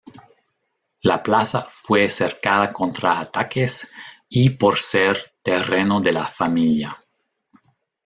La plaza fue cercada contra ataques, y por ser terreno de la familia.